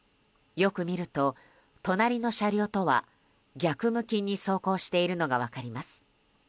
よく見ると隣の車両とは逆向きに走行しているのが分かります。